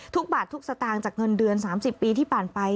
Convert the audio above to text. บาททุกสตางค์จากเงินเดือน๓๐ปีที่ผ่านไป